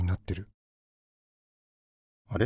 あれ？